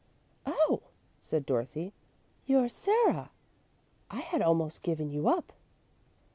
"Oh," said Dorothy, "you're Sarah. I had almost given you up."